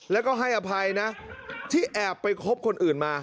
แล้วก็ให้อภัยนะที่แอบไปคบคนอื่นมา